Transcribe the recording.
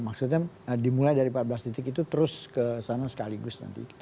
maksudnya dimulai dari empat belas titik itu terus ke sana sekaligus nanti